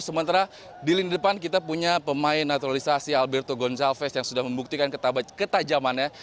sementara di lini depan kita punya pemain naturalisasi alberto gonzalves yang sudah membuktikan ketajamannya